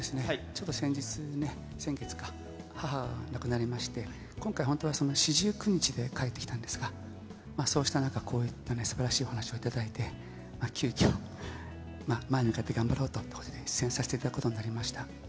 ちょっと先日ね、先月か、母が亡くなりまして、今回、本当は四十九日で帰ってきたんですが、そうした中、こういったすばらしいお話を頂いて、急きょ、前に向かって頑張ろうと、出演させていただくことになりました。